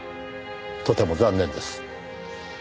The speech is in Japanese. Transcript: とても残念です。